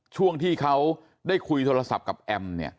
ช่วงที่เขาได้คุยโทรศัพท์กับแอม